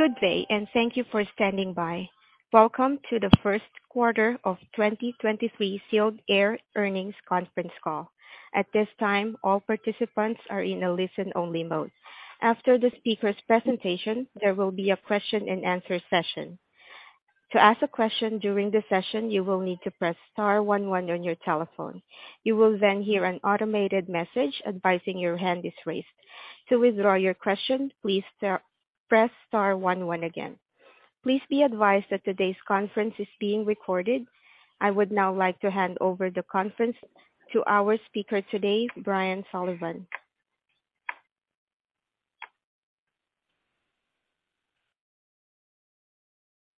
Good day, and thank you for standing by. Welcome to the first quarter of 2023 Sealed Air Earnings Conference Call. At this time, all participants are in a listen-only mode. After the speaker's presentation, there will be a question-and-answer session. To ask a question during the session, you will need to press star one one on your telephone. You will then hear an automated message advising your hand is raised. To withdraw your question, please press star one one again. Please be advised that today's conference is being recorded. I would now like to hand over the conference to our speaker today, Brian Sullivan.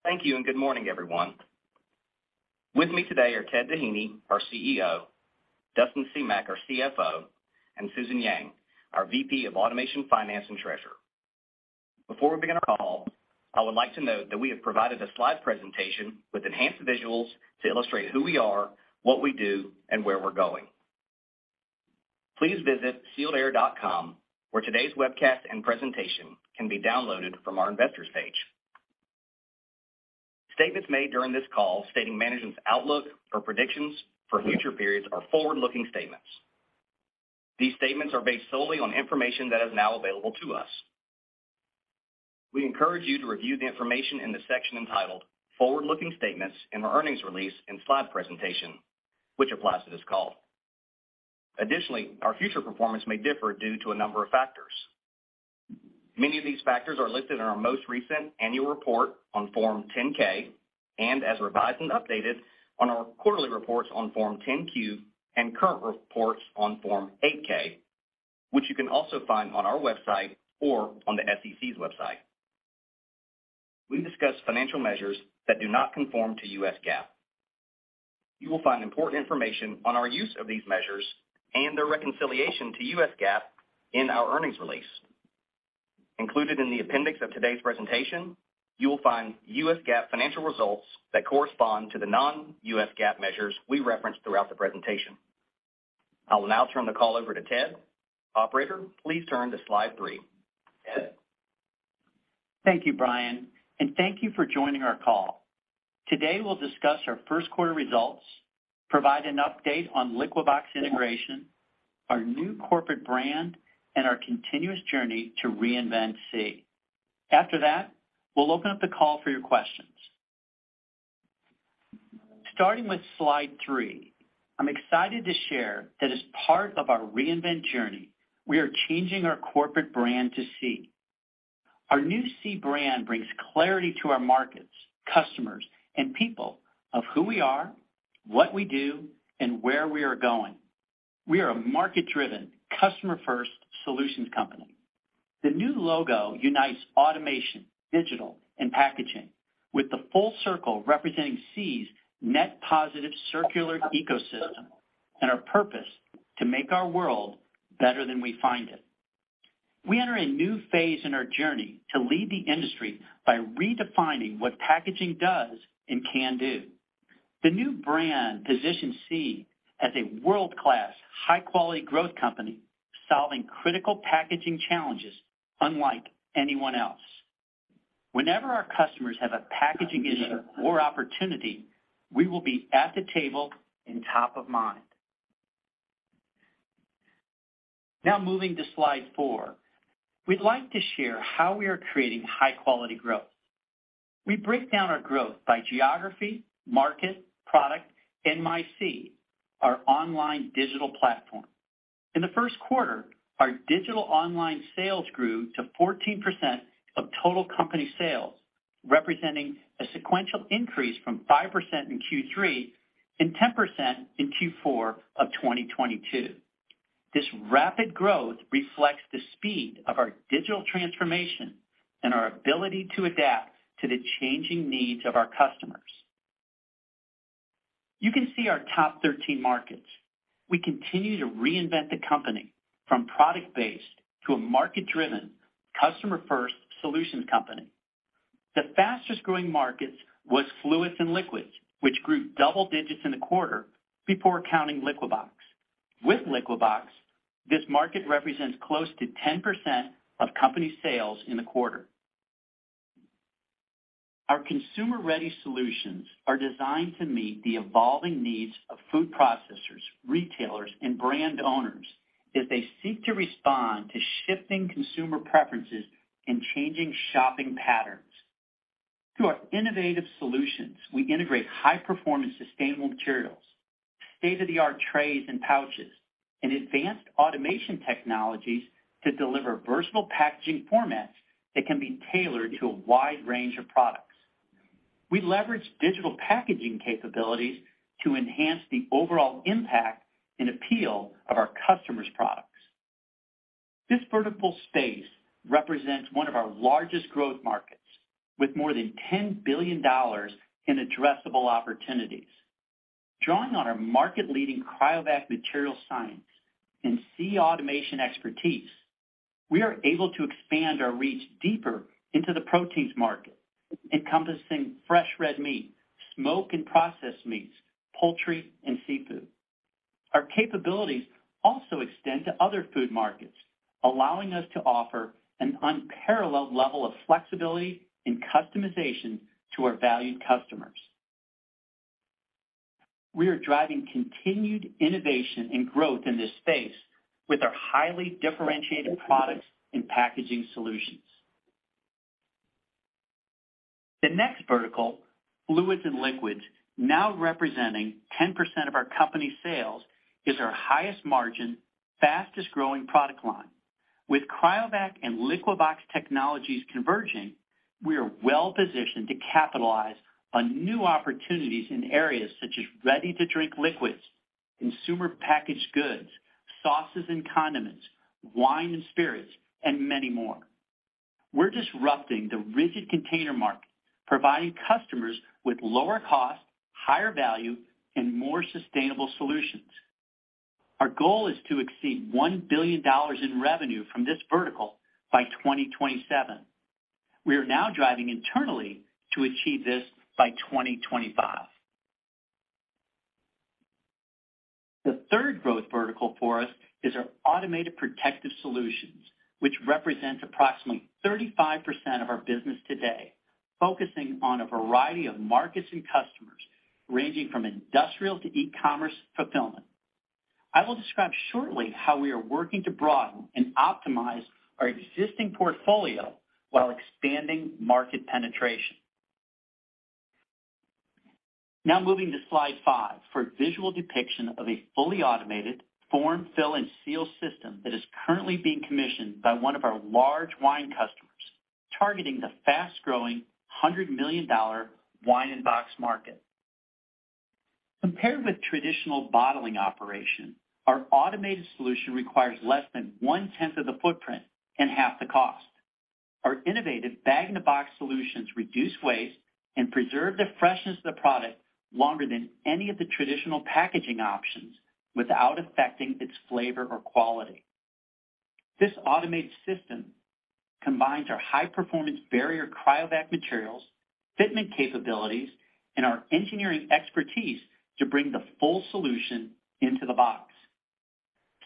Thank you, good morning, everyone. With me today are Ted Doheny, our CEO, Dustin Semach, our CFO, and Susan Yang, our VP of Automation, Finance, and Treasurer. Before we begin our call, I would like to note that we have provided a slide presentation with enhanced visuals to illustrate who we are, what we do, and where we're going. Please visit sealedair.com, where today's webcast and presentation can be downloaded from our Investors page. Statements made during this call stating management's outlook or predictions for future periods are forward-looking statements. These statements are based solely on information that is now available to us. We encourage you to review the information in the section entitled Forward-Looking Statements in our earnings release and slide presentation, which applies to this call. Additionally, our future performance may differ due to a number of factors. Many of these factors are listed in our most recent annual report on Form 10-K and, as revised and updated, on our quarterly reports on Form 10-Q and current reports on Form 8-K, which you can also find on our website or on the SEC's website. We discuss financial measures that do not conform to U.S. GAAP. You will find important information on our use of these measures and their reconciliation to U.S. GAAP in our earnings release. Included in the appendix of today's presentation, you will find U.S. GAAP financial results that correspond to the non-U.S. GAAP measures we reference throughout the presentation. I will now turn the call over to Ted. Operator, please turn to slide three. Ted? Thank you, Brian. Thank you for joining our call. Today, we'll discuss our first quarter results, provide an update on Liquibox integration, our new corporate brand, and our continuous journey to Reinvent SEE. After that, we'll open up the call for your questions. Starting with slide three, I'm excited to share that as part of our reinvent journey, we are changing our corporate brand to SEE. Our new SEE brand brings clarity to our markets, customers, and people of who we are, what we do, and where we are going. We are a market-driven, customer-first solutions company. The new logo unites automation, digital, and packaging with the full circle representing SEE's net positive circular ecosystem and our purpose to make our world better than we find it. We enter a new phase in our journey to lead the industry by redefining what packaging does and can do. The new brand positions SEE as a world-class, high-quality growth company solving critical packaging challenges unlike anyone else. Whenever our customers have a packaging issue or opportunity, we will be at the table and top of mind. Moving to slide four. We'd like to share how we are creating high-quality growth. We break down our growth by geography, market, product, and mySEE, our online digital platform. In the first quarter, our digital online sales grew to 14% of total company sales, representing a sequential increase from 5% in Q3 and 10% in Q4 of 2022. This rapid growth reflects the speed of our digital transformation and our ability to adapt to the changing needs of our customers. You can see our top 13 markets. We continue to reinvent the company from product-based to a market-driven, customer-first solutions company. The fastest-growing markets was fluids and liquids, which grew double digits in the quarter before counting Liquibox. With Liquibox, this market represents close to 10% of company sales in the quarter. Our consumer-ready solutions are designed to meet the evolving needs of food processors, retailers, and brand owners as they seek to respond to shifting consumer preferences and changing shopping patterns. Through our innovative solutions, we integrate high-performance, sustainable materials, state-of-the-art trays and pouches, and advanced automation technologies to deliver versatile packaging formats that can be tailored to a wide range of products. We leverage digital packaging capabilities to enhance the overall impact and appeal of our customers' products. This vertical space represents one of our largest growth markets, with more than $10 billion in addressable opportunities. Drawing on our market-leading CRYOVAC material science and SEE Automation expertise, we are able to expand our reach deeper into the proteins market, encompassing fresh red meat, smoked and processed meats, poultry, and seafood. Our capabilities also extend to other food markets, allowing us to offer an unparalleled level of flexibility and customization to our valued customers. We are driving continued innovation and growth in this space with our highly differentiated products and packaging solutions. The next vertical, fluids and liquids, now representing 10% of our company's sales, is our highest margin, fastest growing product line. With CRYOVAC and Liquibox technologies converging, we are well-positioned to capitalize on new opportunities in areas such as ready-to-drink liquids, consumer packaged goods, sauces and condiments, wine and spirits, and many more. We're disrupting the rigid container market, providing customers with lower cost, higher value, and more sustainable solutions. Our goal is to exceed $1 billion in revenue from this vertical by 2027. We are now driving internally to achieve this by 2025. The third growth vertical for us is our automated protective solutions, which represents approximately 35% of our business today, focusing on a variety of markets and customers, ranging from industrial to e-commerce fulfillment. I will describe shortly how we are working to broaden and optimize our existing portfolio while expanding market penetration. Moving to slide five for a visual depiction of a fully automated form, fill, and seal system that is currently being commissioned by one of our large wine customers, targeting the fast-growing $100 million bag-in-box market. Compared with traditional bottling operation, our automated solution requires less than one-tenth of the footprint and half the cost. Our innovative bag-in-box solutions reduce waste and preserve the freshness of the product longer than any of the traditional packaging options without affecting its flavor or quality. This automated system combines our high-performance barrier CRYOVAC materials, fitment capabilities, and our engineering expertise to bring the full solution into the box.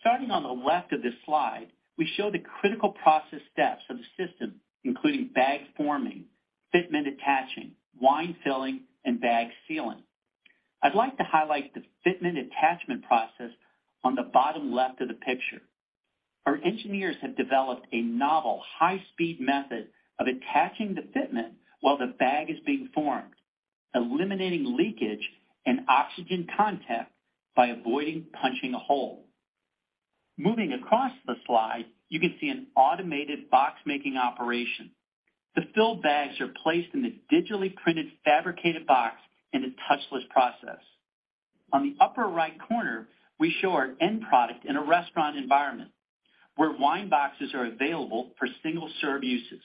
Starting on the left of this slide, we show the critical process steps of the system, including bag forming, fitment attaching, wine filling, and bag sealing. I'd like to highlight the fitment attachment process on the bottom left of the picture. Our engineers have developed a novel high-speed method of attaching the fitment while the bag is being formed, eliminating leakage and oxygen contact by avoiding punching a hole. Moving across the slide, you can see an automated box-making operation. The filled bags are placed in this digitally printed fabricated box in a touchless process. On the upper right corner, we show our end product in a restaurant environment where wine boxes are available for single-serve uses.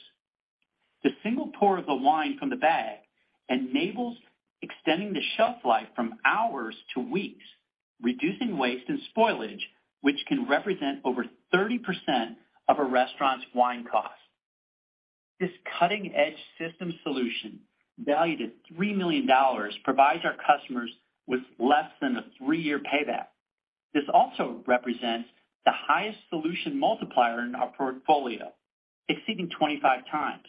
The single pour of the wine from the bag enables extending the shelf life from hours to weeks, reducing waste and spoilage, which can represent over 30% of a restaurant's wine cost. This cutting-edge system solution, valued at $3 million, provides our customers with less than a three-year payback. This also represents the highest solution multiplier in our portfolio, exceeding 25x.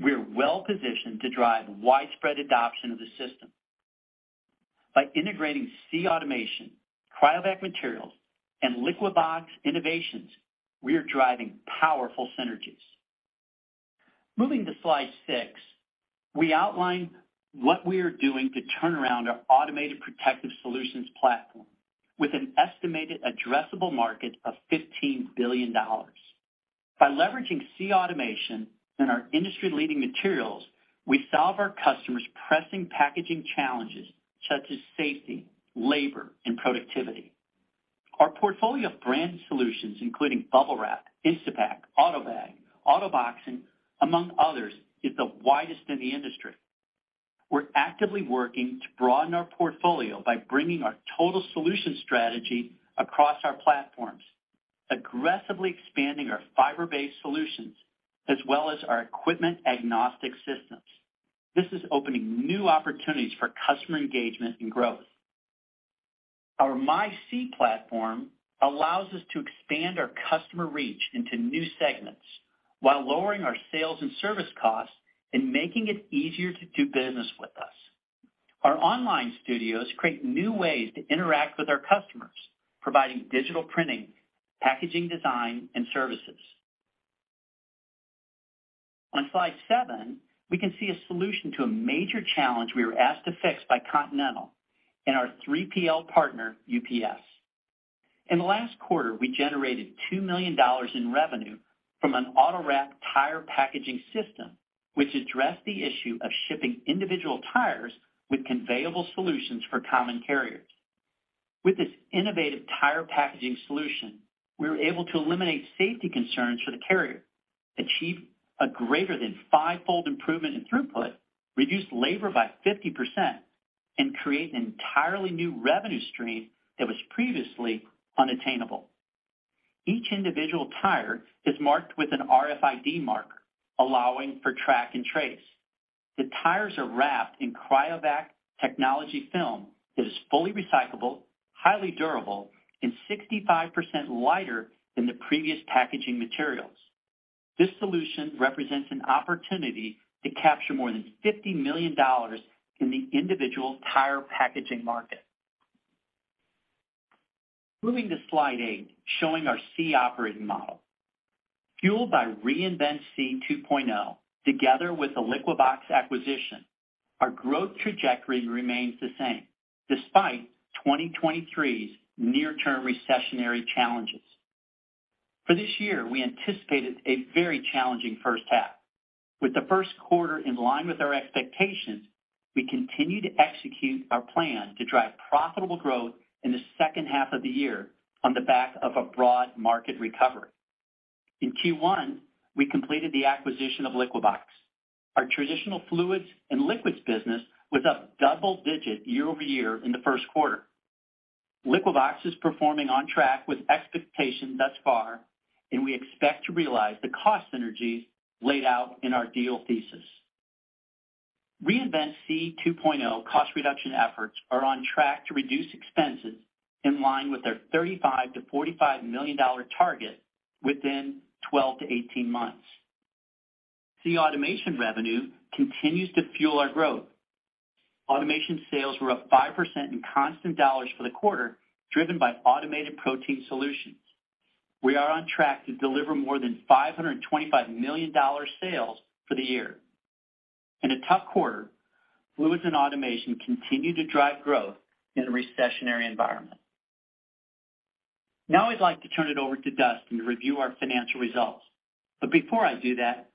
We're well-positioned to drive widespread adoption of the system. By integrating SEE Automation, CRYOVAC materials, and Liquibox innovations, we are driving powerful synergies. Moving to slide 6, we outline what we are doing to turn around our automated protective solutions platform with an estimated addressable market of $15 billion. By leveraging SEE Automation and our industry-leading materials, we solve our customers' pressing packaging challenges such as safety, labor, and productivity. Our portfolio of brand solutions, including BUBBLE WRAP, Instapak, AUTOBAG, AutoBoxing, among others, is the widest in the industry. We're actively working to broaden our portfolio by bringing our total solution strategy across our platforms, aggressively expanding our fiber-based solutions as well as our equipment-agnostic systems. This is opening new opportunities for customer engagement and growth. Our MySEE platform allows us to expand our customer reach into new segments while lowering our sales and service costs and making it easier to do business with us. Our online studios create new ways to interact with our customers, providing digital printing, packaging design, and services. On slide seven, we can see a solution to a major challenge we were asked to fix by Continental and our 3PL partner, UPS. In the last quarter, we generated $2 million in revenue from an AutoWrap tire packaging system, which addressed the issue of shipping individual tires with conveyable solutions for common carriers. With this innovative tire packaging solution, we were able to eliminate safety concerns for the carrier, achieve a greater than five-fold improvement in throughput, reduce labor by 50%, and create an entirely new revenue stream that was previously unattainable. Each individual tire is marked with an RFID marker, allowing for track and trace. The tires are wrapped in CRYOVAC technology film that is fully recyclable, highly durable, and 65% lighter than the previous packaging materials. This solution represents an opportunity to capture more than $50 million in the individual tire packaging market. Moving to slide eight, showing our SEE operating model. Fueled by Reinvent SEE 2.0, together with the Liquibox acquisition, our growth trajectory remains the same despite 2023's near-term recessionary challenges. For this year, we anticipated a very challenging first half. With the first quarter in line with our expectations, we continue to execute our plan to drive profitable growth in the second half of the year on the back of a broad market recovery. In Q1, we completed the acquisition of Liquibox. Our traditional fluids and liquids business was up double digits year-over-year in the first quarter. Liquibox is performing on track with expectations thus far. We expect to realize the cost synergies laid out in our deal thesis. Reinvent SEE 2.0 cost reduction efforts are on track to reduce expenses in line with their $35 million-$45 million target within 12-8 months. SEE Automation revenue continues to fuel our growth. Automation sales were up 5% in constant dollars for the quarter, driven by automated protein solutions. We are on track to deliver more than $525 million sales for the year. In a tough quarter, fluids and automation continue to drive growth in a recessionary environment. Now I'd like to turn it over to Dustin to review our financial results. Before I do that,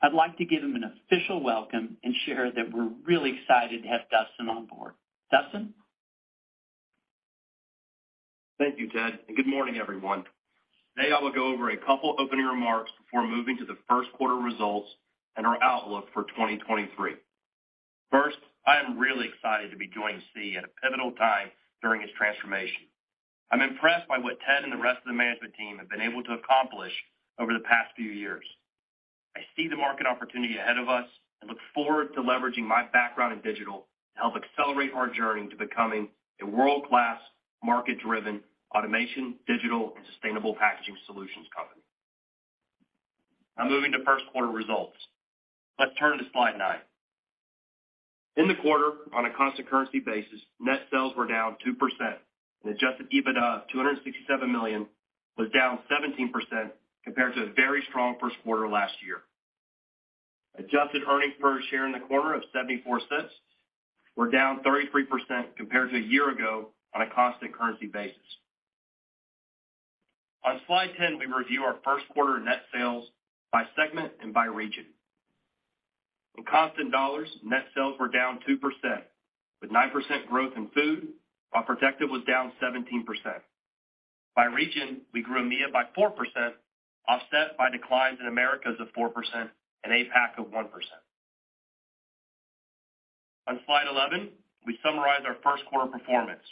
I'd like to give him an official welcome and share that we're really excited to have Dustin on board. Dustin? Thank you, Ted, and good morning, everyone. Today, I will go over a couple opening remarks before moving to the first quarter results and our outlook for 2023. First, I am really excited to be joining SEE at a pivotal time during its transformation. I'm impressed by what Ted and the rest of the management team have been able to accomplish over the past few years. I see the market opportunity ahead of us and look forward to leveraging my background in digital to help accelerate our journey to becoming a world-class, market-driven, automation, digital, and sustainable packaging solutions company. Moving to first quarter results. Let's turn to slide nine. In the quarter, on a constant currency basis, net sales were down 2% and Adjusted EBITDA of $267 million was down 17% compared to a very strong first quarter last year. Adjusted EPS in the quarter of $0.74 were down 33% compared to a year ago on a constant currency basis. On slide 10, we review our first quarter net sales by segment and by region. In constant dollars, net sales were down 2%, with 9% growth in food, while protective was down 17%. By region, we grew EMEA by 4%, offset by declines in Americas of 4% and APAC of 1%. On slide 11, we summarize our first quarter performance.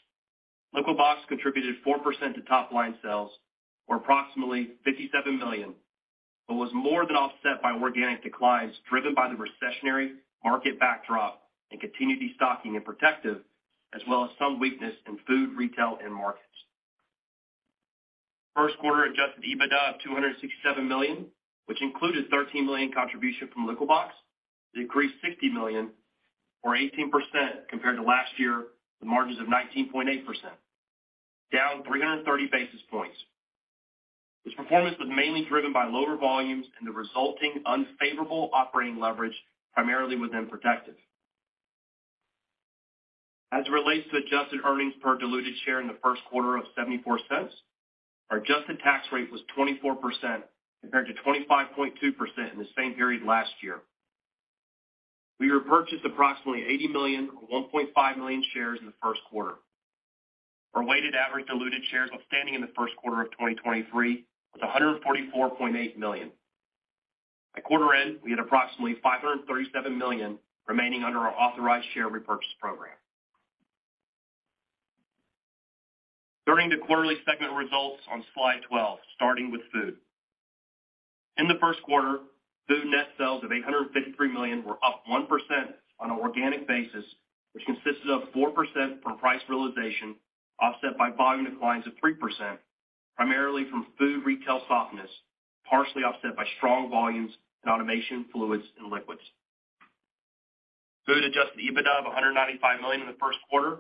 Liquibox contributed 4% to top-line sales or approximately $57 million, but was more than offset by organic declines driven by the recessionary market backdrop and continued destocking in protective, as well as some weakness in food, retail, and markets. First quarter Adjusted EBITDA of $267 million, which included $13 million contribution from Liquibox, decreased $60 million or 18% compared to last year, with margins of 19.8%, down 330 basis points. This performance was mainly driven by lower volumes and the resulting unfavorable operating leverage primarily within protective. As it relates to Adjusted earnings per diluted share in the first quarter of $0.74, our adjusted tax rate was 24% compared to 25.2% in the same period last year. We repurchased approximately $80 million or 1.5 million shares in the first quarter. Our weighted average diluted shares outstanding in the first quarter of 2023 was 144.8 million. At quarter end, we had approximately $537 million remaining under our authorized share repurchase program. Turning to quarterly segment results on slide 12, starting with Food. In the first quarter, Food net sales of $853 million were up 1% on an organic basis, which consisted of 4% from price realization, offset by volume declines of 3%, primarily from Food retail softness, partially offset by strong volumes in automation, fluids, and liquids. Food Adjusted EBITDA of $195 million in the first quarter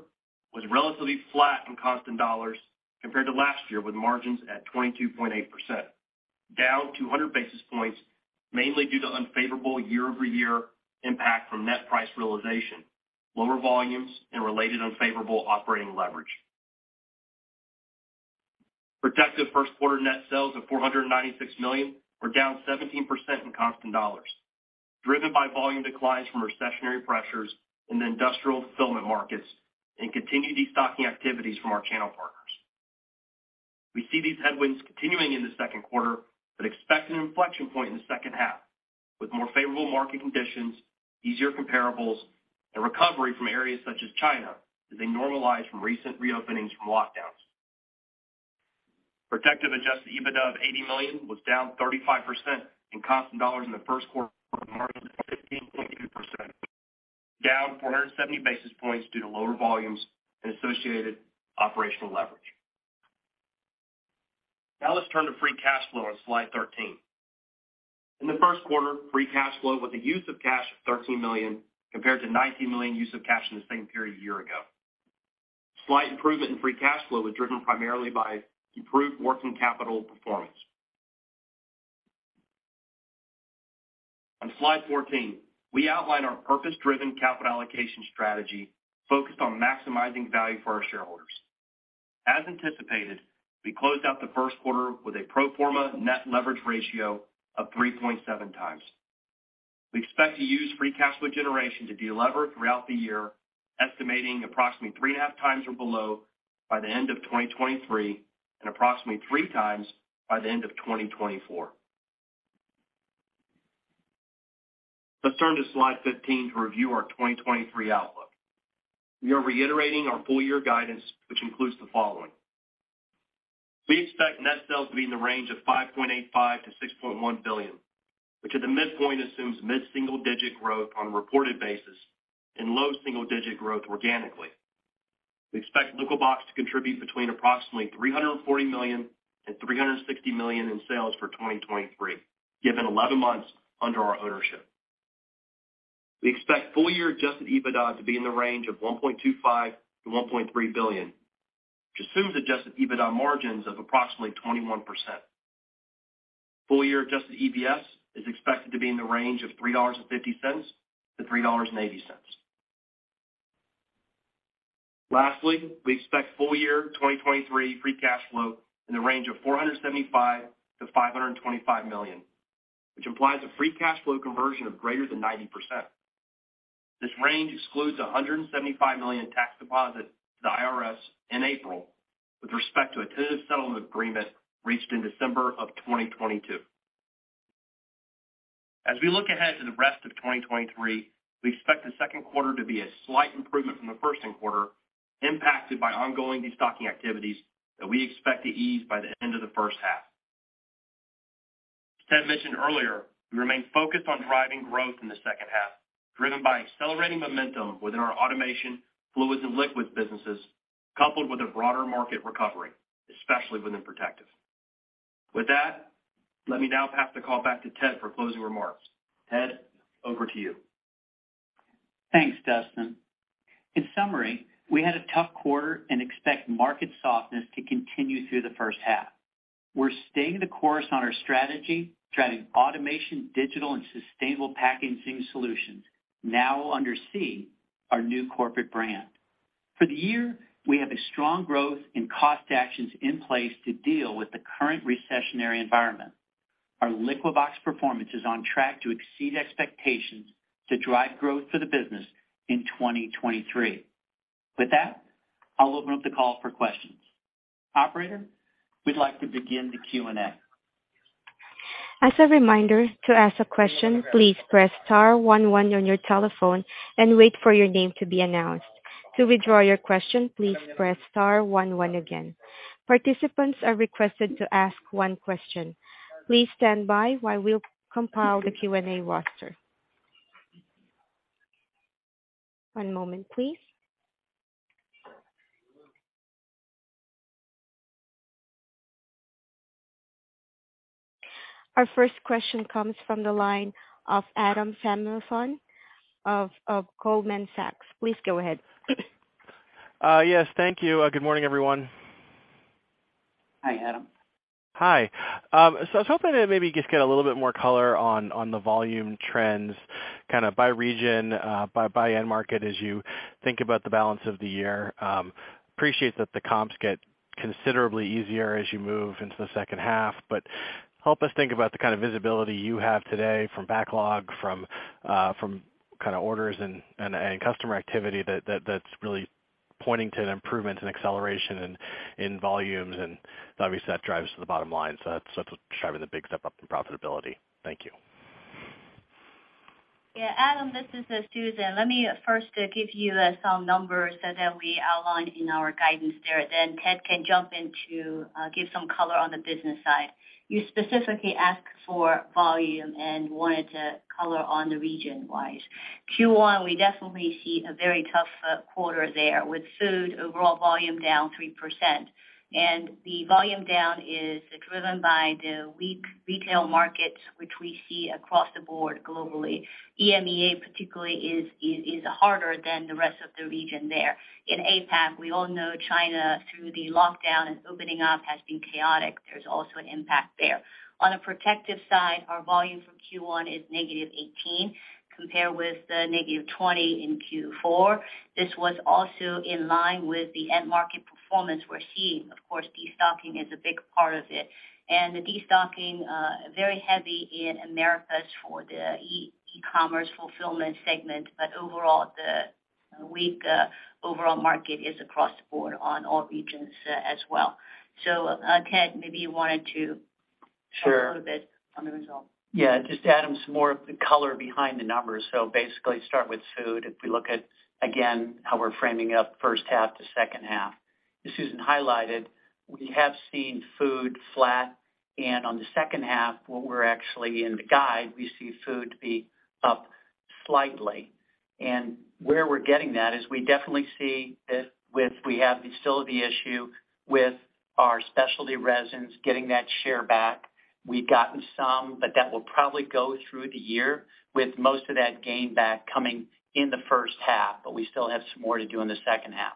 was relatively flat in constant dollars compared to last year, with margins at 22.8%, down 200 basis points, mainly due to unfavorable year-over-year impact from net price realization, lower volumes, and related unfavorable operating leverage. Protective first quarter net sales of $496 million were down 17% in constant dollars, driven by volume declines from recessionary pressures in the industrial fulfillment markets and continued destocking activities from our channel partners. We see these headwinds continuing in the second quarter, but expect an inflection point in the second half. With more favorable market conditions, easier comparables, and recovery from areas such as China as they normalize from recent reopenings from lockdowns. Protective Adjusted EBITDA of $80 million was down 35% in constant dollars in the first quarter, margin 15.2%, down 470 basis points due to lower volumes and associated operational leverage. Let's turn to free cash flow on slide 13. In the first quarter, free cash flow with the use of cash of $13 million compared to $19 million use of cash in the same period a year ago. Slight improvement in free cash flow was driven primarily by improved working capital performance. On slide 14, we outline our purpose-driven capital allocation strategy focused on maximizing value for our shareholders. As anticipated, we closed out the first quarter with a pro forma net leverage ratio of 3.7x. We expect to use free cash flow generation to delever throughout the year, estimating approximately 3.5xor below by the end of 2023 and approximately 3x by the end of 2024. Let's turn to slide 15 to review our 2023 outlook. We are reiterating our full year guidance, which includes the following. We expect net sales to be in the range of $5.85 billion-$6.1 billion, which at the midpoint assumes mid-single digit % growth on a reported basis and low single digit % growth organically. We expect Liquibox to contribute between approximately $340 million and $360 million in sales for 2023, given 11 months under our ownership. We expect full year Adjusted EBITDA to be in the range of $1.25 billion-$1.3 billion, which assumes Adjusted EBITDA margins of approximately 21%. Full year Adjusted EPS is expected to be in the range of $3.50-$3.80. We expect full year 2023 free cash flow in the range of $475 million-$525 million, which implies a free cash flow conversion of greater than 90%. This range excludes a $175 million tax deposit to the IRS in April with respect to a tentative settlement agreement reached in December of 2022. As we look ahead to the rest of 2023, we expect the second quarter to be a slight improvement from the first quarter, impacted by ongoing destocking activities that we expect to ease by the end of the first half. Ted mentioned earlier, we remain focused on driving growth in the second half, driven by accelerating momentum within our automation, fluids, and liquids businesses, coupled with a broader market recovery, especially within Protective. Let me now pass the call back to Ted for closing remarks. Ted, over to you. Thanks, Dustin. In summary, we had a tough quarter and expect market softness to continue through the first half. We're staying the course on our strategy, driving automation, digital, and sustainable packaging solutions now under SEE, our new corporate brand. For the year, we have a strong growth in cost actions in place to deal with the current recessionary environment. Our Liquibox performance is on track to exceed expectations to drive growth for the business in 2023. With that, I'll open up the call for questions. Operator, we'd like to begin the Q&A. As a reminder, to ask a question, please press star one one on your telephone and wait for your name to be announced. To withdraw your question, please press star one one again. Participants are requested to ask one question. Please stand by while we'll compile the Q&A roster. One moment, please. Our first question comes from the line of Adam Samuelson of Goldman Sachs. Please go ahead. Yes, thank you. Good morning, everyone. Hi, Adam. Hi. I was hoping to maybe just get a little bit more color on the volume trends, kind of by region, by end market as you think about the balance of the year. Appreciate that the comps get considerably easier as you move into the second half, help us think about the kind of visibility you have today from backlog, from kind of orders and customer activity that's really pointing to an improvement and acceleration in volumes, and obviously that drives to the bottom line. That's what's driving the big step up in profitability. Thank you. Yeah, Adam, this is Susan. Let me first give you some numbers that we outlined in our guidance there, then Ted can jump in to give some color on the business side. You specifically asked for volume and wanted to color on the region-wise. Q1, we definitely see a very tough quarter there with food overall volume down 3%. The volume down is driven by the weak retail markets which we see across the board globally. EMEA particularly is harder than the rest of the region there. In APAC, we all know China through the lockdown and opening up has been chaotic. There's also an impact there. On the Protective side, our volume from Q1 is -18, compared with -20 in Q4. This was also in line with the end market performance we're seeing. Of course, destocking is a big part of it, and the destocking, very heavy in Americas for the. E-commerce fulfillment segment. Overall, the weak, overall market is across the board on all regions, as well. Ted, maybe. Sure. Talk a little bit on the result. Yeah. Just to add some more of the color behind the numbers. Basically start with food. If we look at, again, how we're framing up the first half to second half. As Susan highlighted, we have seen food flat, and on the second half, what we're actually in the guide, we see food to be up slightly. Where we're getting that is we definitely see if we have still the issue with our specialty resins getting that share back. We've gotten some, but that will probably go through the year with most of that gain back coming in the first half, but we still have some more to do in the second half.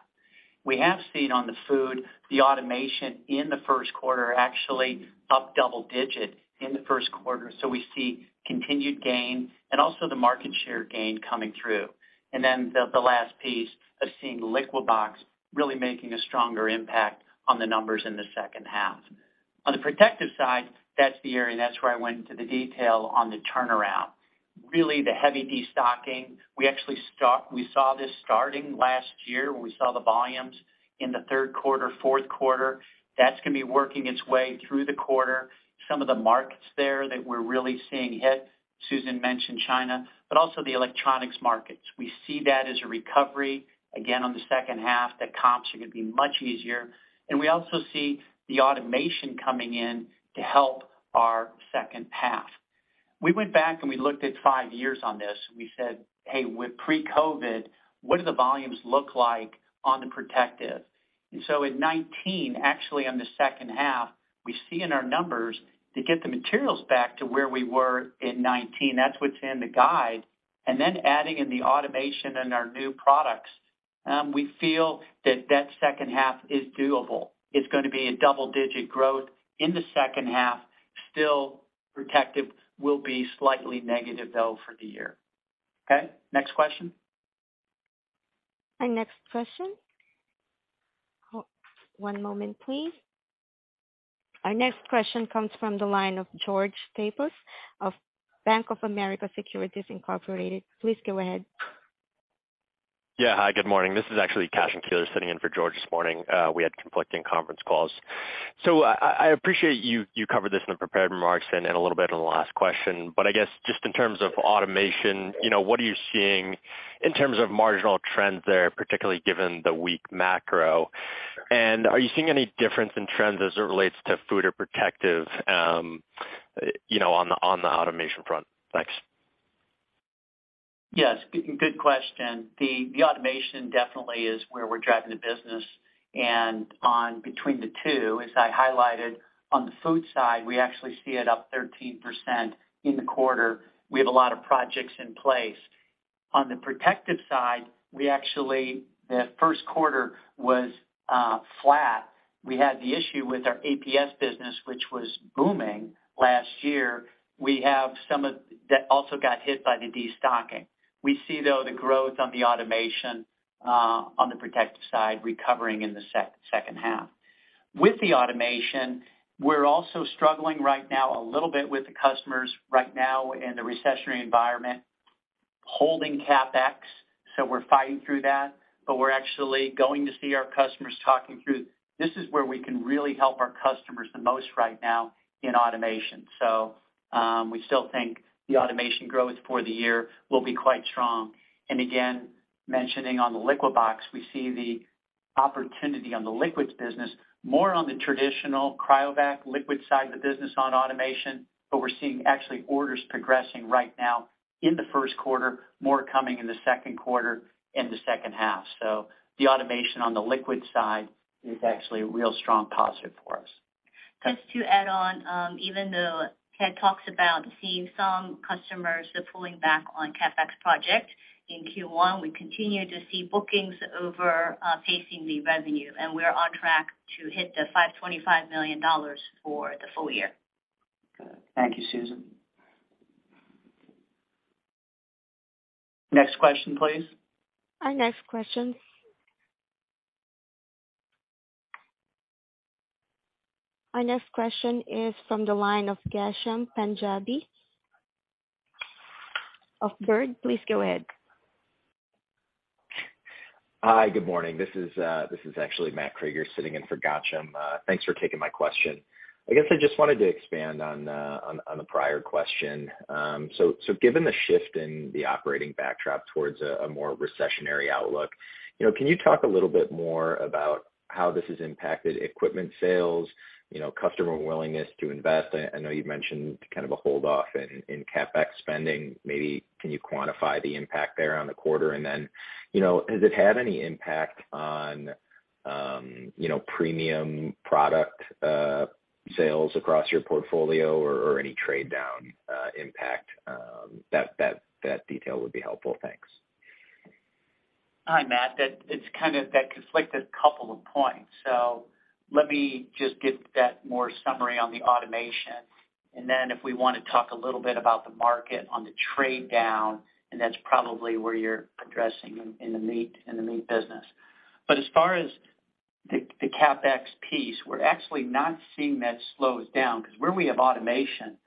We have seen on the food, the automation in the first quarter, actually up double digit in the first quarter. We see continued gain and also the market share gain coming through. The last piece of seeing Liquibox really making a stronger impact on the numbers in the second half. On the protective side, that's the area, that's where I went into the detail on the turnaround. Really the heavy destocking, we actually saw this starting last year when we saw the volumes in the third quarter, fourth quarter. That's gonna be working its way through the quarter. Some of the markets there that we're really seeing hit, Susan mentioned China, but also the electronics markets. We see that as a recovery, again, on the second half, the comps are gonna be much easier. We also see the automation coming in to help our second half. We went back and we looked at five years on this, we said, "Hey, with pre-COVID, what do the volumes look like on the protective?" In 2019, actually on the second half, we see in our numbers to get the materials back to where we were in 2019. That's what's in the guide. Adding in the automation and our new products, we feel that that second half is doable. It's gonna be a double-digit growth in the second half. Still, protective will be slightly negative though for the year. Okay, next question. Our next question. One moment, please. Our next question comes from the line of George Staphos of Bank of America Securities Incorporated. Please go ahead. Yeah. Hi, good morning. This is actually Cashin Thaler sitting in for George this morning. We had conflicting conference calls. I appreciate you covered this in the prepared remarks and a little bit on the last question. I guess, just in terms of automation, you know, what are you seeing in terms of marginal trends there, particularly given the weak macro? Are you seeing any difference in trends as it relates to food or protective, you know, on the automation front? Thanks. Yes. Good question. The automation definitely is where we're driving the business. On between the two, as I highlighted on the food side, we actually see it up 13% in the quarter. We have a lot of projects in place. On the protective side, the first quarter was flat. We had the issue with our APS business, which was booming last year. That also got hit by the destocking. We see though the growth on the automation, on the protective side recovering in the second half. With the automation, we're also struggling right now a little bit with the customers right now in the recessionary environment, holding CapEx, so we're fighting through that. We're actually going to see our customers talking through. This is where we can really help our customers the most right now in automation. We still think the automation growth for the year will be quite strong. Mentioning on the Liquibox, we see the opportunity on the liquids business, more on the traditional CRYOVAC liquid side of the business on automation. We're seeing actually orders progressing right now in the first quarter, more coming in the second quarter, in the second half. The automation on the liquid side is actually a real strong positive for us. Just to add on, even though Ted talks about seeing some customers, they're pulling back on CapEx project. In Q1, we continue to see bookings over pacing the revenue. We're on track to hit the $525 million for the full year. Good. Thank you, Susan. Next question, please. Our next question is from the line of Ghansham Panjabi of Baird. Please go ahead. Hi, good morning. This is actually Matt Kriger sitting in for Ghansham. Thanks for taking my question. I guess I just wanted to expand on the prior question. Given the shift in the operating backdrop towards a more recessionary outlook, you know, can you talk a little bit more about how this has impacted equipment sales, you know, customer willingness to invest? I know you've mentioned kind of a hold off in CapEx spending. Maybe can you quantify the impact there on the quarter? You know, has it had any impact on, you know, premium product sales across your portfolio or any trade down impact, that detail would be helpful. Thanks. Hi, Matt. It's kind of that conflicted couple of points. Let me just get that more summary on the automation. If we wanna talk a little bit about the market on the trade down, and that's probably where you're addressing in the meat business. As far as the CapEx piece, we're actually not seeing that slow down because where we have automation,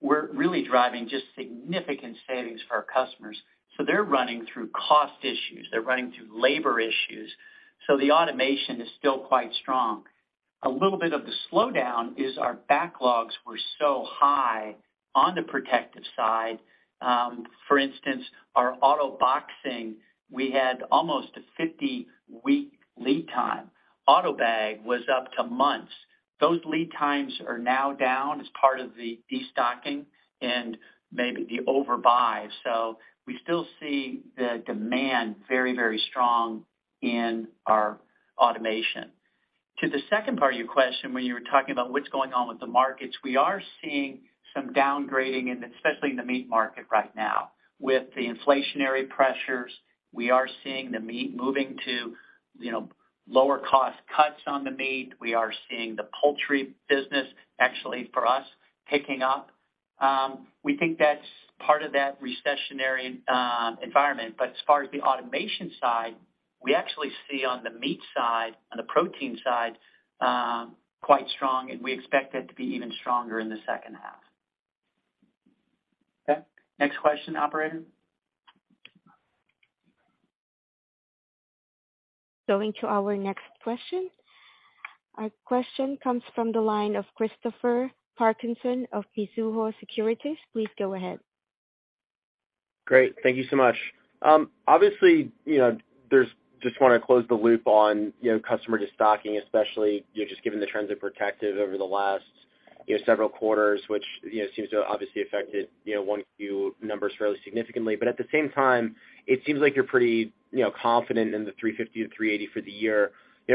we're really driving just significant savings for our customers. They're running through cost issues. They're running through labor issues. The automation is still quite strong. A little bit of the slowdown is our backlogs were so high on the Protective side. For instance, our AutoBoxing, we had almost a 50-week lead time. AUTOBAG was up to months. Those lead times are now down as part of the destocking and maybe the overbuy. We still see the demand very, very strong in our automation. To the second part of your question, when you were talking about what's going on with the markets, we are seeing some downgrading and especially in the meat market right now. With the inflationary pressures, we are seeing the meat moving to, you know, lower cost cuts on the meat. We are seeing the poultry business actually for us picking up. We think that's part of that recessionary environment. But as far as the automation side, we actually see on the meat side, on the protein side, quite strong, and we expect that to be even stronger in the second half. Okay. Next question, operator. Going to our next question. Our question comes from the line of Christopher Parkinson of Mizuho Securities. Please go ahead. Great. Thank you so much. Obviously, you know, just wanna close the loop on, you know, customer destocking, especially, you know, just given the trends of Protective over the last, you know, several quarters, which, you know, seems to have obviously affected, you know, 1Q numbers fairly significantly. At the same time, it seems like you're pretty, you know, confident in the $350-$380 for the year.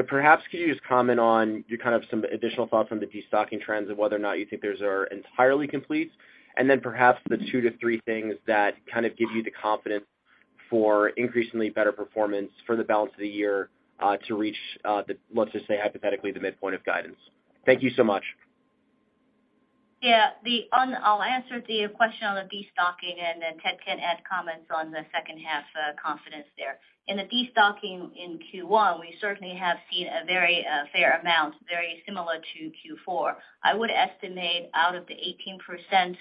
Perhaps could you just comment on your kind of some additional thoughts on the destocking trends and whether or not you think those are entirely complete? Then perhaps the two to three things that kind of give you the confidence for increasingly better performance for the balance of the year to reach the, let's just say, hypothetically, the midpoint of guidance. Thank you so much. I'll answer the question on the destocking, and then Ted can add comments on the second half, confidence there. In the destocking in Q1, we certainly have seen a very fair amount, very similar to Q4. I would estimate out of the 18%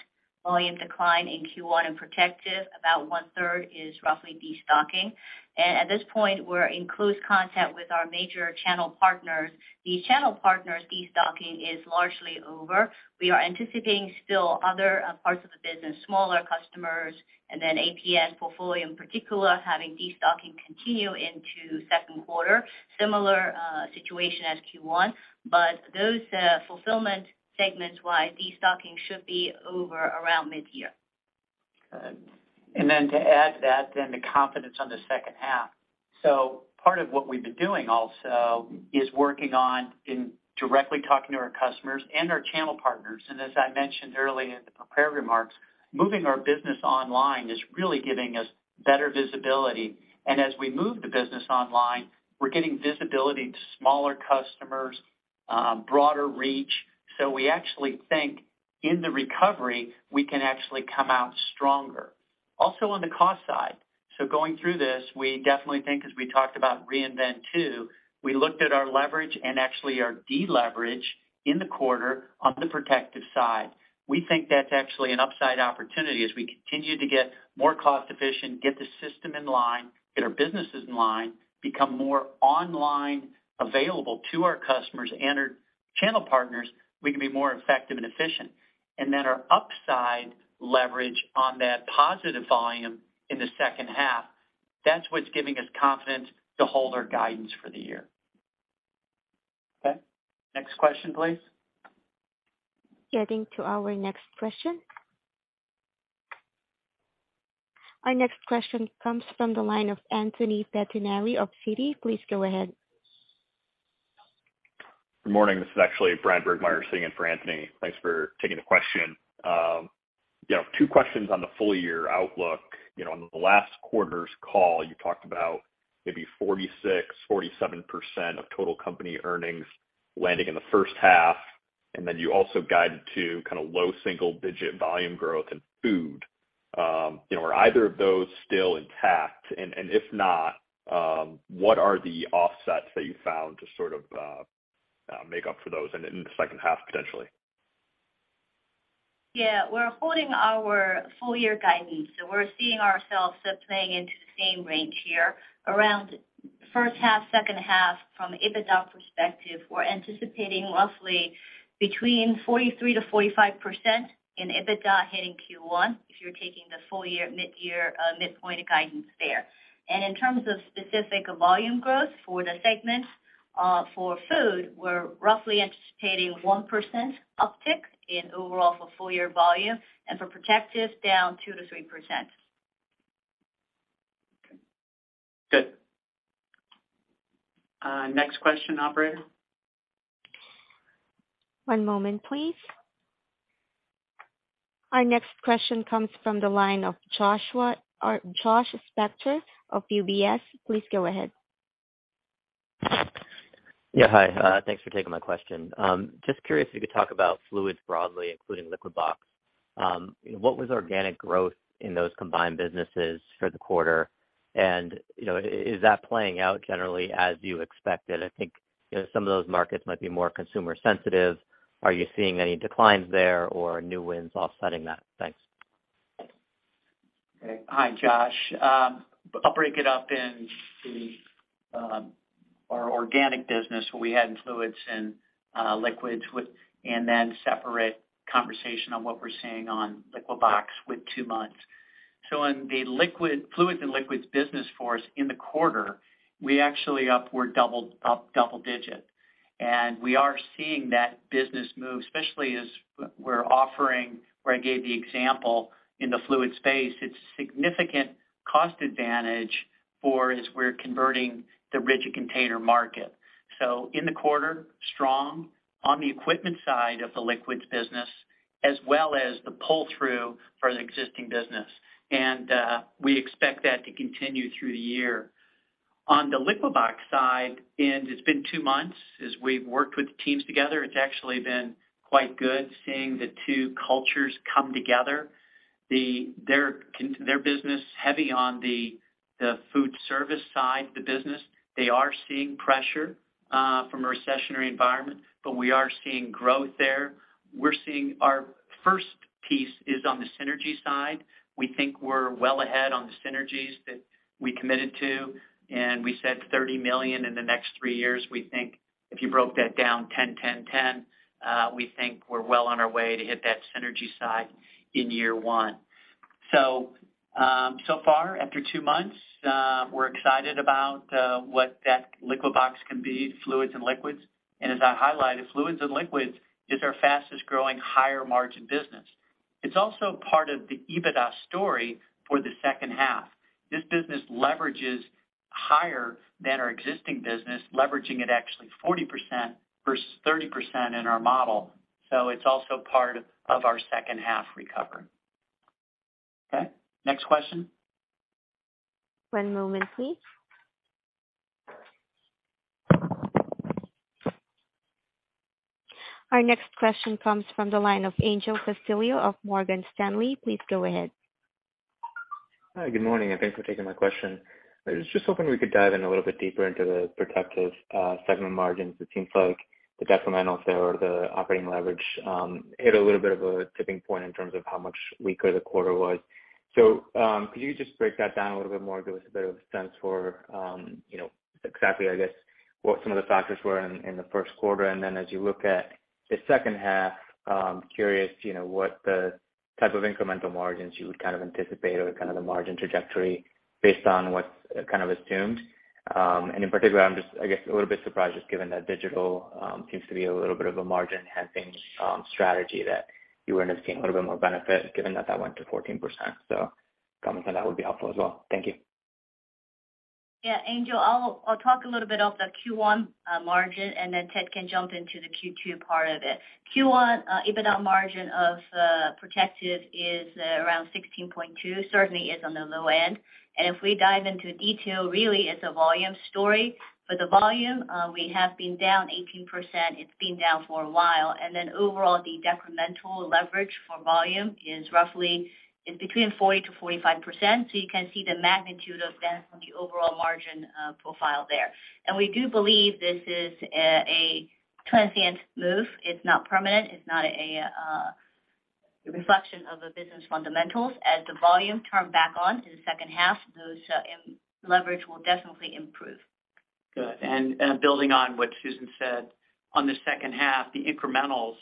volume decline in Q1 in Protective, about one-third is roughly destocking. At this point, we're in close contact with our major channel partners. These channel partners destocking is largely over. We are anticipating still other parts of the business, smaller customers, and then AFP portfolio in particular, having destocking continue into second quarter. Similar situation as Q1. Those fulfillment segments-wide destocking should be over around mid-year. Good. To add to that, the confidence on the second half. Part of what we've been doing also is working on directly talking to our customers and our channel partners. As I mentioned early in the prepared remarks, moving our business online is really giving us better visibility. As we move the business online, we're getting visibility to smaller customers, broader reach. We actually think in the recovery, we can actually come out stronger. Also on the cost side, going through this, we definitely think as we talked about Reinvent 2.0, we looked at our leverage and actually our deleverage in the quarter on the Protective side. We think that's actually an upside opportunity as we continue to get more cost-efficient, get the system in line, get our businesses in line, become more online-available to our customers and our channel partners, we can be more effective and efficient. Our upside leverage on that positive volume in the second half, that's what's giving us confidence to hold our guidance for the year. Okay. Next question, please. Getting to our next question. Our next question comes from the line of Anthony Pettinari of Citi. Please go ahead. Good morning. This is actually Brad Burgmaier sitting in for Anthony. Thanks for taking the question. You know, two questions on the full year outlook. You know, on the last quarter's call, you talked about maybe 46%-47% of total company earnings landing in the first half, and then you also guided to kinda low single-digit volume growth in Food. You know, are either of those still intact? If not, what are the offsets that you found to sort of make up for those in the second half potentially? Yeah. We're holding our full year guidance. We're seeing ourselves playing into the same range here around first half, second half from EBITDA perspective. We're anticipating roughly between 43%-45% in EBITDA hitting Q1, if you're taking the full year, mid-year, midpoint of guidance there. In terms of specific volume growth for the segments, for Food, we're roughly anticipating 1% uptick in overall for full year volume, and for Protective, down 2%-3%. Okay. Good. Next question, operator. One moment, please. Our next question comes from the line of Josh Spector of UBS. Please go ahead. Yeah. Hi. Thanks for taking my question. Just curious if you could talk about fluids broadly, including Liquibox What was organic growth in those combined businesses for the quarter? You know, is that playing out generally as you expected? I think, you know, some of those markets might be more consumer sensitive. Are you seeing any declines there or new wins offsetting that? Thanks. Okay. Hi, Josh. I'll break it up in the our organic business, what we had in fluids and liquids, a separate conversation on what we're seeing on Liquibox with two months. In the liquid, fluids and liquids business for us in the quarter, we actually upward doubled, up double-digit. We are seeing that business move, especially as we're offering, where I gave the example in the fluid space, it's significant cost advantage for as we're converting the rigid container market. In the quarter, strong on the equipment side of the liquids business, as well as the pull-through for the existing business. We expect that to continue through the year. On the Liquibox side, it's been two months as we've worked with the teams together, it's actually been quite good seeing the two cultures come together. Their business heavy on the food service side of the business. They are seeing pressure from a recessionary environment, but we are seeing growth there. We're seeing our first piece is on the synergy side. We think we're well ahead on the synergies that we committed to. We said $30 million in the next three years. We think if you broke that down 10, 10, we think we're well on our way to hit that synergy side in year one. So far after two months, we're excited about what that Liquibox can be, fluids and liquids. As I highlighted, fluids and liquids is our fastest growing higher margin business. It's also part of the EBITDA story for the second half. This business leverages higher than our existing business, leveraging it actually 40% versus 30% in our model. It's also part of our second half recovery. Okay, next question. One moment, please. Our next question comes from the line of Angel Castillo of Morgan Stanley. Please go ahead. Hi, good morning, thanks for taking my question. I was just hoping we could dive in a little bit deeper into the protective segment margins. It seems like the detrimentals or the operating leverage hit a little bit of a tipping point in terms of how much weaker the quarter was. Could you just break that down a little bit more, give us a bit of a sense for, you know, exactly, I guess, what some of the factors were in the first quarter. As you look at the second half, curious, you know, what the type of incremental margins you would kind of anticipate or kind of the margin trajectory based on what's kind of assumed. In particular, I'm just, I guess, a little bit surprised just given that digital, seems to be a little bit of a margin enhancing, strategy that you weren't seeing a little bit more benefit given that that went to 14%. Comments on that would be helpful as well. Thank you. Yeah, Angel Castillo, I'll talk a little bit of the Q1 margin, then Ted Doheny can jump into the Q2 part of it. Q1 EBITDA margin of protective is around 16.2%, certainly is on the low end. If we dive into detail, really it's a volume story. For the volume, we have been down 18%. It's been down for a while. Overall, the decremental leverage for volume is roughly, it's between 40%-45%. You can see the magnitude of that on the overall margin profile there. We do believe this is a transient move. It's not permanent. It's not a reflection of the business fundamentals. As the volume turn back on in the second half, those leverage will definitely improve. Good. Building on what Susan said, on the second half, the incrementals,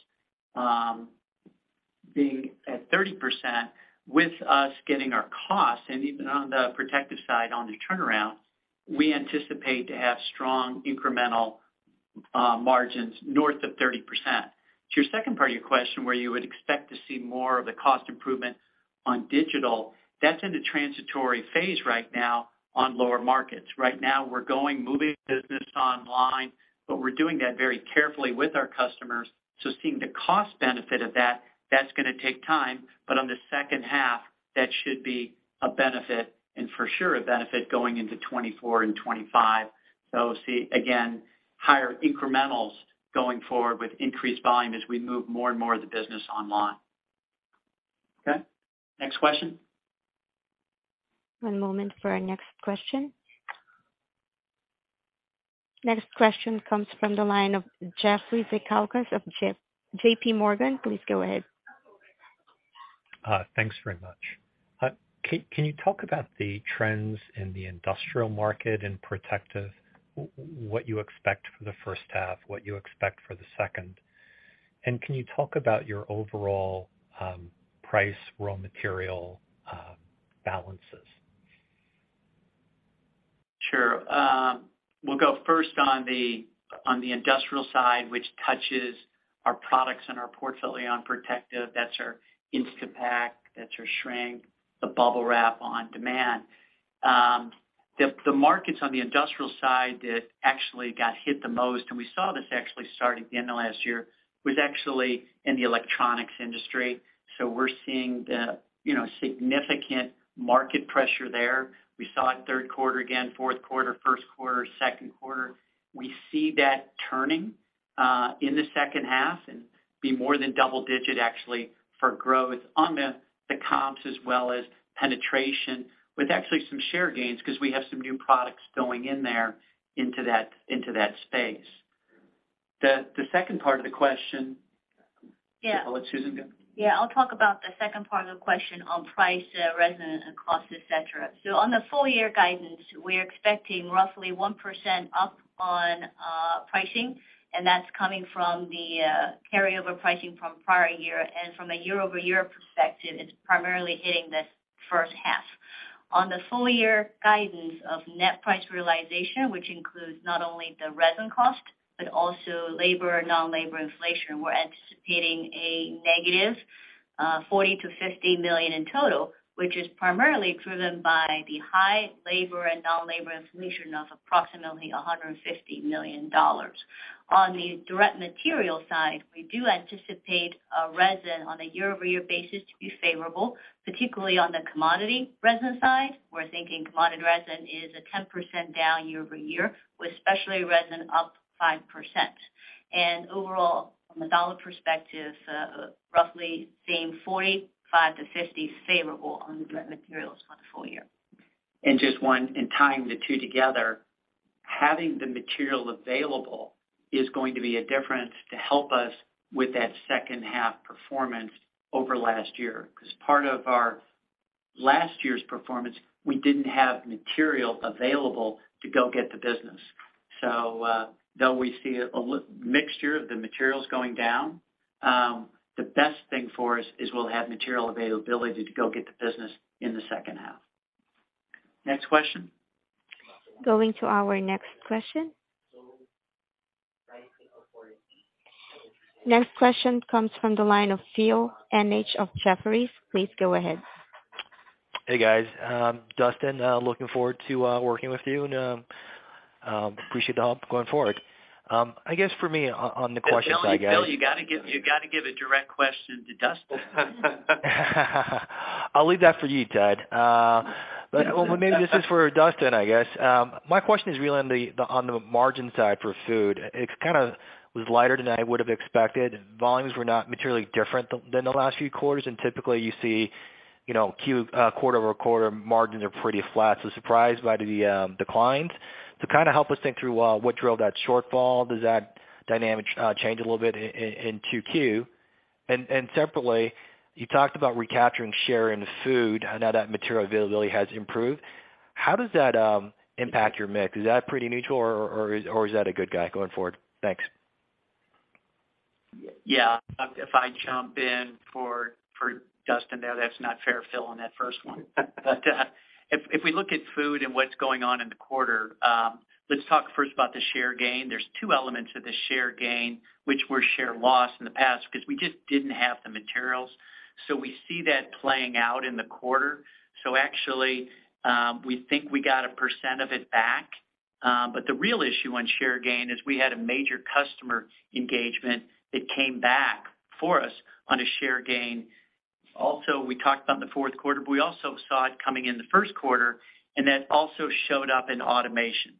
being at 30% with us getting our costs and even on the protective side on the turnaround, we anticipate to have strong incremental margins north of 30%. To your second part of your question, where you would expect to see more of the cost improvement on digital, that's in the transitory phase right now on lower markets. Right now, we're moving business online, but we're doing that very carefully with our customers. Seeing the cost benefit of that's gonna take time. On the second half, that should be a benefit, and for sure a benefit going into 2024 and 2025. See again, higher incrementals going forward with increased volume as we move more and more of the business online. Okay, next question. One moment for our next question. Next question comes from the line of Jeffrey Zekauskas of JPMorgan. Please go ahead. Thanks very much. Can you talk about the trends in the industrial market and protective, what you expect for the first half, what you expect for the second? Can you talk about your overall price raw material balances? Sure. We'll go first on the, on the industrial side, which touches our products and our portfolio on protective. That's our Instapak, that's our shrink, the BUBBLE WRAP on demand. The, the markets on the industrial side that actually got hit the most, we saw this actually start at the end of last year, was actually in the electronics industry. We're seeing the, you know, significant market pressure there. We saw it third quarter again, fourth quarter, first quarter, second quarter. We see that turning in the second half and be more than double-digit actually for growth on the comps as well as penetration with actually some share gains because we have some new products going in there into that, into that space. The, the second part of the question. Yeah. Susan, go. Yeah, I'll talk about the second part of the question on price, resin and cost, et cetera. On the full year guidance, we're expecting roughly 1% up on pricing, and that's coming from the carryover pricing from prior year. From a year-over-year perspective, it's primarily hitting this first half. On the full year guidance of net price realization, which includes not only the resin cost, but also labor, non-labor inflation, we're anticipating a negative $40 million-$50 million in total, which is primarily driven by the high labor and non-labor inflation of approximately $150 million. On the direct material side, we do anticipate a resin on a year-over-year basis to be favorable, particularly on the commodity resin side. We're thinking commodity resin is a 10% down year-over-year, with specialty resin up 5%. Overall, from a dollar perspective, roughly seeing $45-$50 favorable on the direct materials for the full year. Just one, and tying the two together, having the material available is going to be a difference to help us with that second half performance over last year. Part of our last year's performance, we didn't have material available to go get the business. Though we see a mixture of the materials going down, the best thing for us is we'll have material availability to go get the business in the second half. Next question. Going to our next question. Next question comes from the line of Phil Ng of Jefferies. Please go ahead. Hey, guys. Dustin, looking forward to working with you and, appreciate the help going forward. I guess for me on the question side, guys. Phil, you gotta give a direct question to Dustin. I'll leave that for you, Ted. But maybe this is for Dustin, I guess. My question is really on the, on the margin side for food. It's kinda was lighter than I would have expected. Volumes were not materially different than the last few quarters, and typically you see, you know, quarter-over-quarter margins are pretty flat, so surprised by the declines. To kinda help us think through what drove that shortfall, does that dynamic change a little bit in QQ? Separately, you talked about recapturing share in food now that material availability has improved. How does that impact your mix? Is that pretty neutral or is that a good guy going forward? Thanks. Yeah. If I jump in for Dustin there, that's not fair, Phil, on that first one. If we look at food and what's going on in the quarter, let's talk first about the share gain. There's two elements of the share gain, which were share loss in the past because we just didn't have the materials. We see that playing out in the quarter. Actually, we think we got 1% of it back. The real issue on share gain is we had a major customer engagement that came back for us on a share gain. Also, we talked about in the fourth quarter, but we also saw it coming in the first quarter, and that also showed up in automation.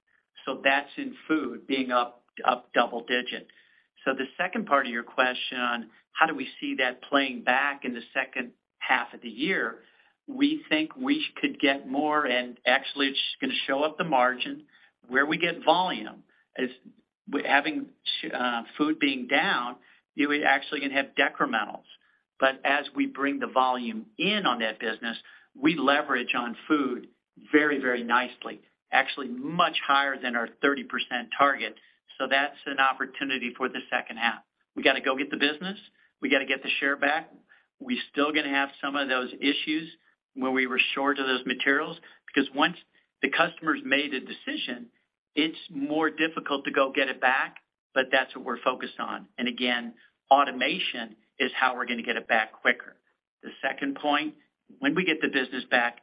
That's in food being up double digit. The second part of your question on how do we see that playing back in the second half of the year, we think we could get more, and actually it's gonna show up the margin where we get volume. As we're having food being down, you would actually gonna have decrementals. As we bring the volume in on that business, we leverage on food very, very nicely, actually much higher than our 30% target. That's an opportunity for the second half. We gotta go get the business. We gotta get the share back. We still gonna have some of those issues where we were short of those materials, because once the customer's made a decision, it's more difficult to go get it back, but that's what we're focused on. Again, automation is how we're gonna get it back quicker. The second point, when we get the business back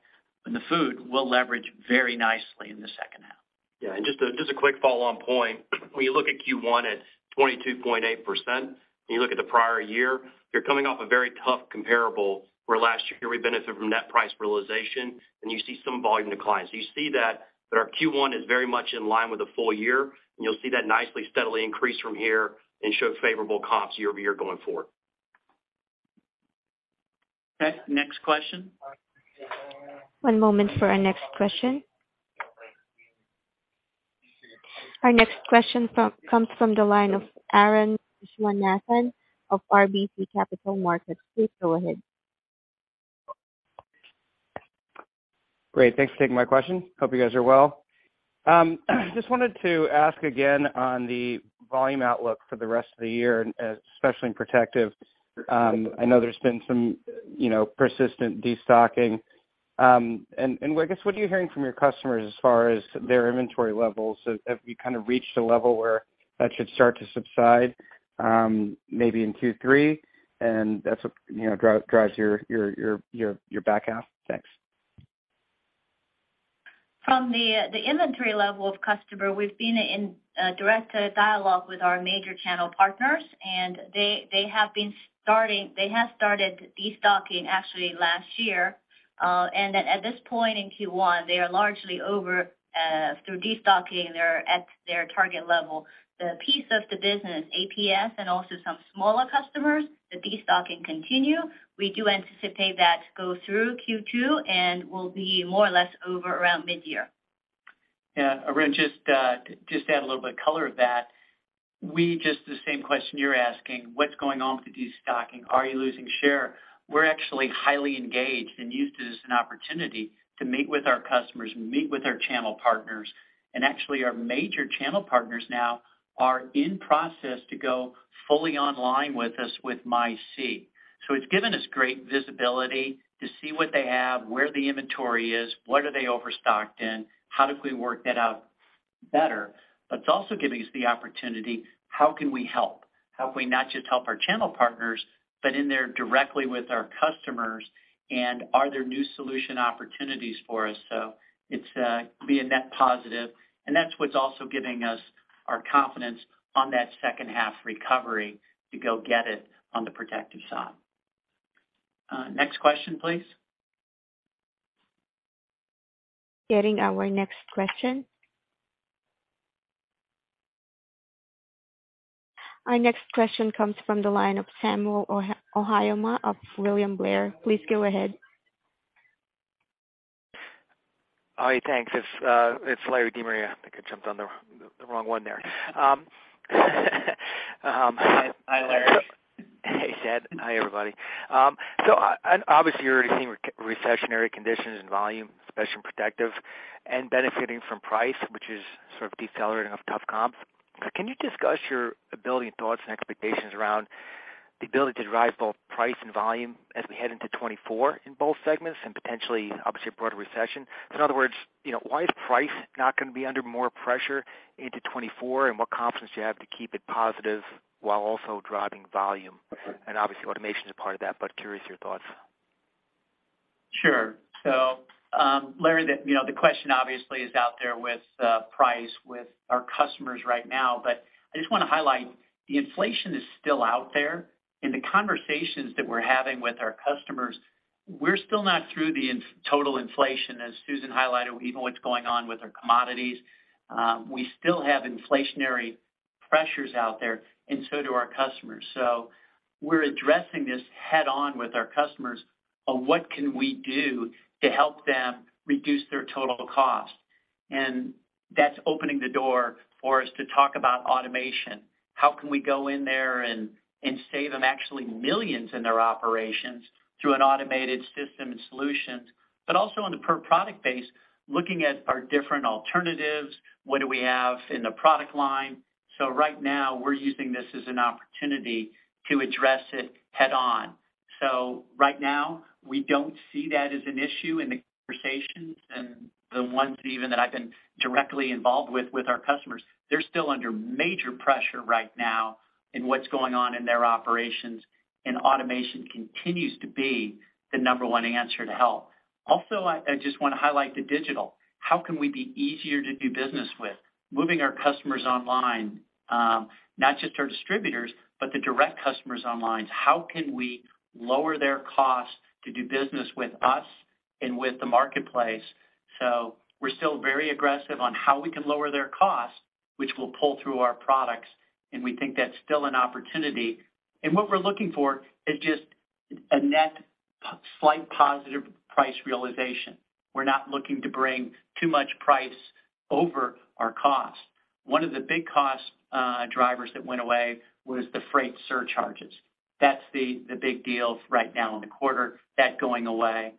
in the food, we'll leverage very nicely in the second half. Yeah. Just a quick follow-on point. When you look at Q1 at 22.8%, when you look at the prior year, you're coming off a very tough comparable where last year we benefited from net price realization, and you see some volume declines. You see that our Q1 is very much in line with the full year, and you'll see that nicely, steadily increase from here and show favorable comps year-over-year going forward. Okay, next question. One moment for our next question. Our next question comes from the line of Arun Viswanathan of RBC Capital Markets. Please go ahead. Great. Thanks for taking my question. Hope you guys are well. Just wanted to ask again on the volume outlook for the rest of the year, especially in protective. I know there's been some, you know, persistent destocking. I guess, what are you hearing from your customers as far as their inventory levels? Have you kind of reached a level where that should start to subside, maybe in Q3, and that's what, you know, drives your back half? Thanks. From the inventory level of customer, we've been in direct dialogue with our major channel partners, and they have started destocking actually last year. At this point in Q1, they are largely over through destocking. They're at their target level. The piece of the business, APS and also some smaller customers, the destocking continue. We do anticipate that to go through Q2 and will be more or less over around mid-year. Yeah. Irene, just to add a little bit of color to that, we just the same question you're asking, what's going on with the destocking? Are you losing share? We're actually highly engaged and used it as an opportunity to meet with our customers, meet with our channel partners, and actually our major channel partners now are in process to go fully online with us with MySEE. It's given us great visibility to see what they have, where the inventory is, what are they overstocked in, how do we work that out better? It's also giving us the opportunity, how can we help? How can we not just help our channel partners, but in there directly with our customers? Are there new solution opportunities for us? It's being net positive, and that's what's also giving us our confidence on that second half recovery to go get it on the protective side. Next question please. Getting our next question. Our next question comes from the line of Samuel Ohiomah of William Blair. Please go ahead. Hi. Thanks. It's Larry De Maria. I think I jumped on the wrong one there. Hi, Larry. Hey, Ted. Hi, everybody. Obviously you're already seeing re-recessionary conditions and volume, especially in protective and benefiting from price, which is sort of decelerating of tough comps. Can you discuss your ability and thoughts and expectations around the ability to derive both price and volume as we head into 2024 in both segments and potentially obviously a broader recession? In other words, you know, why is price not gonna be under more pressure into 2024, and what confidence do you have to keep it positive while also driving volume? Obviously automation is a part of that, but curious your thoughts. Sure. So, Larry, the, you know, the question obviously is out there with price with our customers right now, but I just wanna highlight the inflation is still out there. In the conversations that we're having with our customers, we're still not through the total inflation as Susan highlighted, even what's going on with our commodities. We still have inflationary pressures out there and so do our customers. We're addressing this head on with our customers on what can we do to help them reduce their total cost. That's opening the door for us to talk about automation. How can we go in there and save them actually millions in their operations through an automated system and solutions, but also on a per product base, looking at our different alternatives, what do we have in the product line. Right now we're using this as an opportunity to address it head on. Right now we don't see that as an issue in the conversations and the ones even that I've been directly involved with our customers. They're still under major pressure right now in what's going on in their operations, and automation continues to be the number one answer to help. Also, I just wanna highlight the digital. How can we be easier to do business with? Moving our customers online, not just our distributors, but the direct customers online. How can we lower their costs to do business with us and with the marketplace? We're still very aggressive on how we can lower their costs, which will pull through our products, and we think that's still an opportunity. What we're looking for is just a net slight positive price realization. We're not looking to bring too much price over our cost. One of the big cost drivers that went away was the freight surcharges. That's the big deal right now in the quarter, that going away.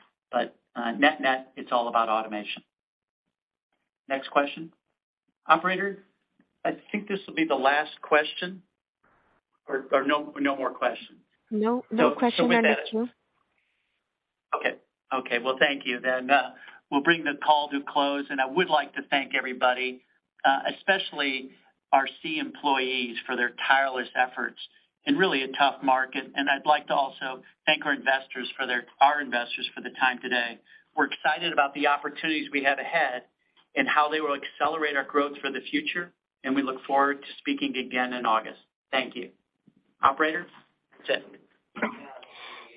net-net, it's all about automation. Next question. Operator, I think this will be the last question or no more questions. No. No question on the queue. Okay. Okay. Well, thank you. We'll bring the call to close. I would like to thank everybody, especially our SEE employees for their tireless efforts in really a tough market. I'd like to also thank our investors for the time today. We're excited about the opportunities we have ahead and how they will accelerate our growth for the future. We look forward to speaking again in August. Thank you. Operator. That's it.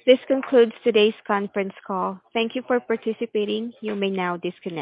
This concludes today's conference call. Thank you for participating. You may now disconnect.